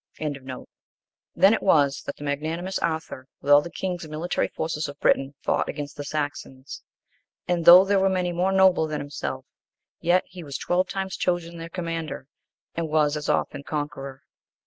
Then it was, that the magnanimous Arthur, with all the kings and military force of Britain, fought against the Saxons. And though there were many more noble than himself, yet he was twelve times chosen their commander, and was as often conqueror.